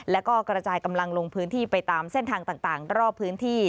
แล้วก็กระจายกำลังลงพื้นที่ไปตามเส้นทางต่างรอบพื้นที่